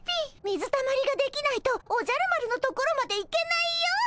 水たまりができないとおじゃる丸のところまで行けないよ。